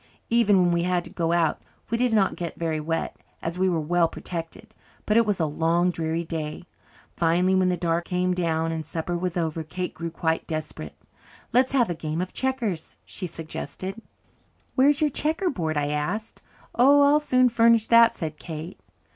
Even when we had to go out we did not get very wet, as we were well protected. But it was a long dreary day. Finally when the dark came down and supper was over Kate grew quite desperate. "Let's have a game of checkers," she suggested. "Where is your checkerboard?" I asked. "Oh, I'll soon furnish that," said Kate.